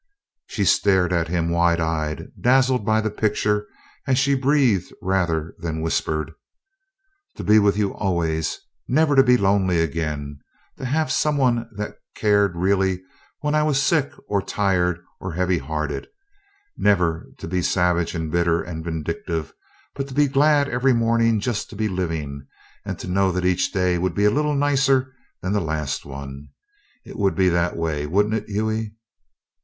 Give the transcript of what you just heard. She stared at him wide eyed, dazzled by the picture as she breathed rather than whispered: "To be with you always never to be lonely again to have some one that cared really when I was sick or tired or heavy hearted never to be savage and bitter and vindictive, but to be glad every morning just to be living, and to know that each day would be a little nicer than the last one! It would be that way, wouldn't it, Hughie?"